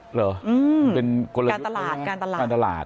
หรออืมเป็นการตลาด